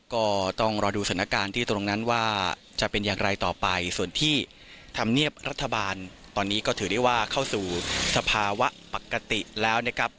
ก็ต้องรอดูสถานการณ์ที่ตรงนั้นว่าจะเป็นอย่างไรต่อไปส่วนที่ธรรมเนียบรัฐบาลตอนนี้ก็ถือได้ว่าเข้าสู่สภาวะปกติแล้วนะครับ